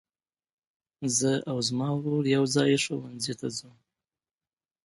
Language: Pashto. زه او زما ورور يوځای ښوونځي ته ځو.